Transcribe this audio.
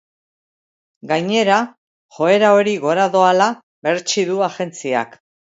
Gainera, joera hori gora doala berretsi du agentziak.